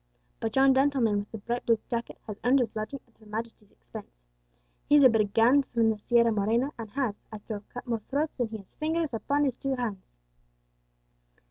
But yon gentleman with the bright blue jacket has earned his lodging at Her Majesty's expense; he is a brigand from the Sierra Morena, and has, I trow, cut more throats than he has fingers upon his two hands."